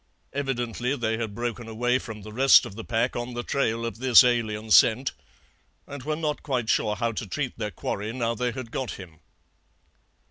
Evidently they had broken away from the rest of the pack on the trail of this alien scent, and were not quite sure how to treat their quarry now they had got him.